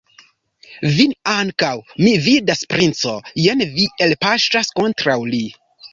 Vin ankaŭ mi vidas, princo, jen vi elpaŝas kontraŭ li.